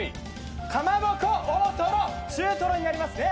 かまぼこ大トロ中トロになりますね。